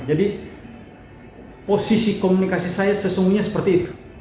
jadi posisi komunikasi saya sesungguhnya seperti itu